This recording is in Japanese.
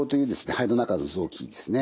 肺の中の臓器ですね